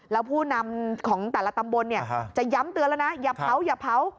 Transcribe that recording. แล้วผู้นำของแต่ละตำบลจะย้ำเตือนแล้วนะอย่าเผาอย่าเผา